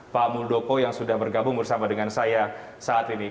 pak muldoko yang sudah bergabung bersama dengan saya saat ini